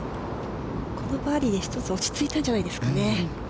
このバーディーで落ち着いたんじゃないですかね。